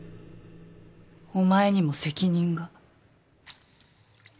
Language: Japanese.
お前にも責任が。